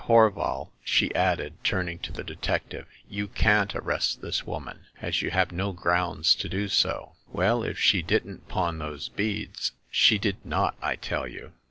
Horval," she added, turning to the detective, " you can't arrest this woman, as you have no grounds to do so/* Well, if she didn't pawn those beads *''' She did not, I tell you."